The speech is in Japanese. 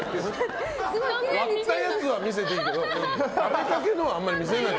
割ったやつは見せていいけどかじったやつはあんまり見せない。